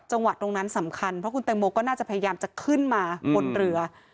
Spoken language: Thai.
ตรงนั้นสำคัญเพราะคุณแตงโมก็น่าจะพยายามจะขึ้นมาบนเรือ